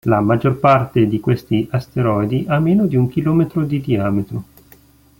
La maggior parte di questi asteroidi ha meno di un chilometro di diametro.